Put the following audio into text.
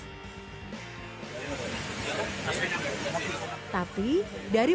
tapi dari penyelidikan